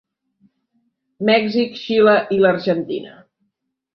Mèxic, Xile i l'Argentina.